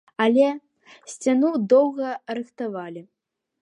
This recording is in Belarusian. Але сцяну доўга рыхтавалі.